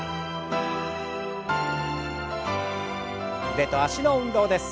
腕と脚の運動です。